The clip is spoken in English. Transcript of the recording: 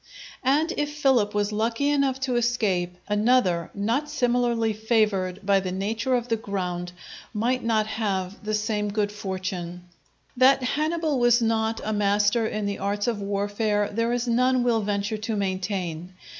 And if Philip was lucky enough to escape, another, not similarly favoured by the nature of the ground, might not have the same good fortune. That Hannibal was not a master in the arts of warfare there is none will venture to maintain.